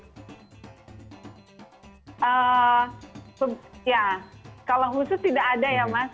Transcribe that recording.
ya kalau khusus tidak ada ya mas